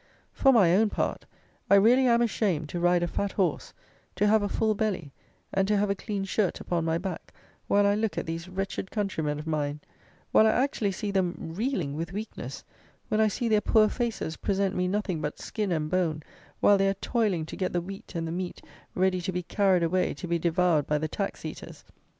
For my own part, I really am ashamed to ride a fat horse, to have a full belly, and to have a clean shirt upon my back, while I look at these wretched countrymen of mine; while I actually see them reeling with weakness; when I see their poor faces present me nothing but skin and bone, while they are toiling to get the wheat and the meat ready to be carried away to be devoured by the tax eaters.